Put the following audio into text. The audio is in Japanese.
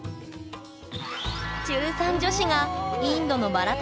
中３女子がインドのバラタ